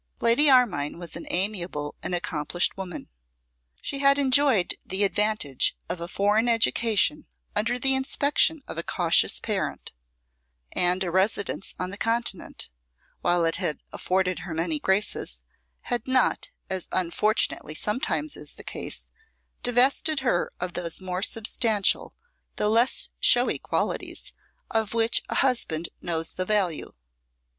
Lady Armine was an amiable and accomplished woman. She had enjoyed the advantage of a foreign education under the inspection of a cautious parent: and a residence on the Continent, while it had afforded her many graces, had not, as unfortunately sometimes is the case, divested her of those more substantial though less showy qualities of which a husband knows the value.